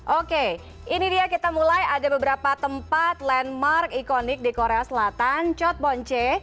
oke ini dia kita mulai ada beberapa tempat landmark ikonik di korea selatan cot bonce